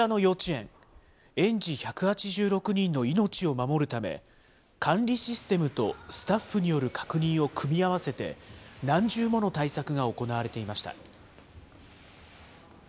園児１８６人の命を守るため、管理システムとスタッフによる確認を組み合わせて、何重もの対策が行われていました。